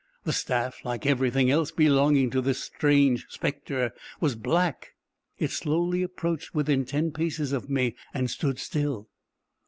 The staff, like every thing else belonging to this strange spectre, was black. It slowly approached within ten paces of me, and stood still.